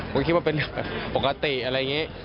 ผมคิดว่าเป็นปกติอะไรอย่างนี้